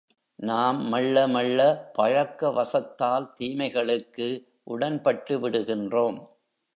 நாம் மெள்ள மெள்ள பழக்க வசத்தால் தீமைகளுக்கு உடன்பட்டுவிடுகின்றோம்.